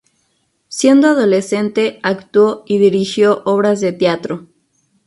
Siendo adolescente actuó y dirigió obras de teatro.